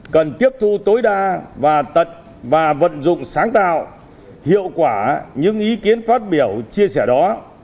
cần tiếp thu tối đa và tật và vận dụng sáng tạo hiệu quả những ý kiến phát biểu chia sẻ đó